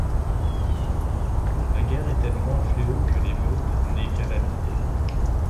La guerre est-elle moins fléau que l’émeute n’est calamité?